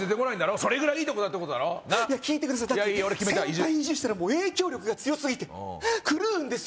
それぐらいいい所だってことだろいや聞いてくださいいやいい俺決めた移住先輩移住したら影響力が強すぎて狂うんですよ